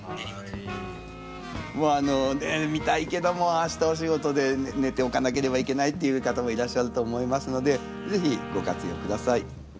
もう見たいけども明日お仕事で寝ておかなければいけないっていう方もいらっしゃると思いますので是非ご活用下さい。